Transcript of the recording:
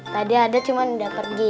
tadi ada cuma udah pergi